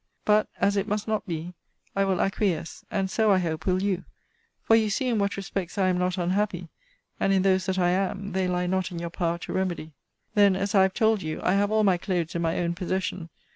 But, as it must not be, I will acquiesce; and so, I hope, will you: for you see in what respects I am not unhappy; and in those that I am, they lie not in your power to remedy. Then as I have told you, I have all my clothes in my own possession.